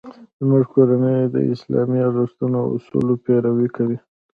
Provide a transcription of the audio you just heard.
زموږ کورنۍ د اسلامي ارزښتونو او اصولو پیروي کوي